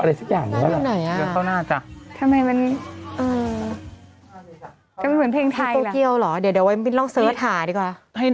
เดี๋ยวแต่วิ่งลองเสิร์ชถาดีกว่า